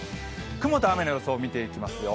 雲と雨の予想、見ていきますよ。